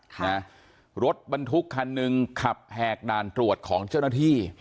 ค่ะนะรถบรรทุกคันหนึ่งขับแหกด่านตรวจของเจ้าหน้าที่